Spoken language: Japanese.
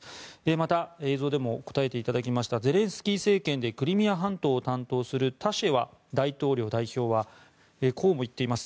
また、映像でも答えていただきましたゼレンスキー政権でクリミア半島を担当するタシェワ大統領代表はこうも言っています。